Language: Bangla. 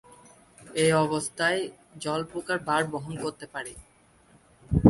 এই অবস্থায় জল পোকার ভার বহন করতে পারে।